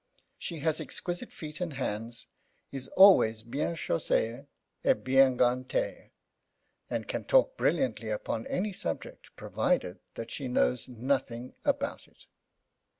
She has exquisite feet and hands, is always bien chaussée et bien gantée and can talk brilliantly upon any subject, provided that she knows nothing about it.